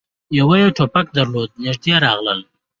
يوه يې ټوپک درلود. نږدې راغلل،